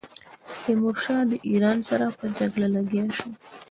تیمورشاه د ایران سره په جګړه لګیا شو.